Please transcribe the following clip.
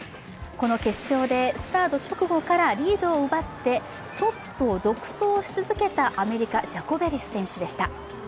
この決勝でスタート直後からリードを奪ってトップを独走し続けたアメリカ、ジャコベリス選手でした。